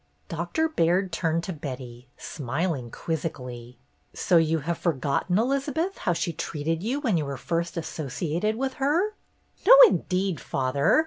Doctor Baird turned to Betty, smiling quizzically. "So you have forgotton, Elizabeth, how she treated you when you were first associated with her?" "No, indeed, father